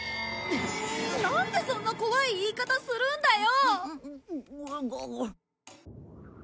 なんでそんな怖い言い方するんだよ！